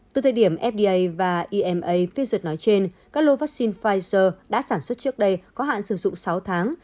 từ thời điểm fda và ema phiên dựt nói trên các lô vaccine pfizer đã sản xuất trước đây có hạn sử dụng sáu tháng